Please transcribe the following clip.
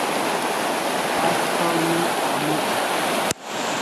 Aj kaw ne amuchaw